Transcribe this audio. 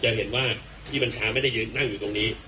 จะเห็นว่าพี่บัญชาไม่ได้ยืนนั่งอยู่ตรงนี้